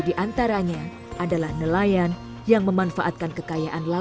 ditanamnya pakai penganak kecil